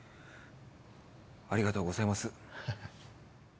ありがとうございます。